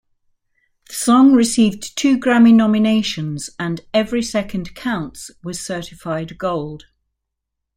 The song received two Grammy nominations, and "Every Second Counts" was certified gold.